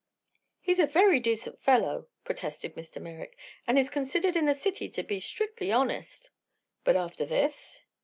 "He's a very decent fellow," protested Mr. Merrick, "and is considered in the city to be strictly honest." "But after this?"